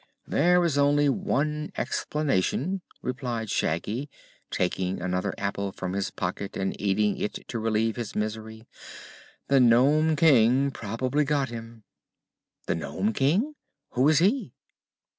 "There is only one explanation," replied Shaggy, taking another apple from his pocket and eating it to relieve his misery. "The Nome King probably got him." "The Nome King! Who is he?"